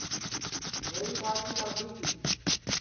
میری ٻالٹی لادھی گی